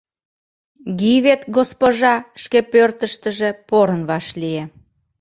Гивет госпожа шке пӧртыштыжӧ порын вашлие.